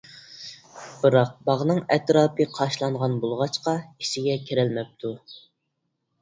بىراق، باغنىڭ ئەتراپى قاشالانغان بولغاچقا، ئىچىگە كىرەلمەپتۇ.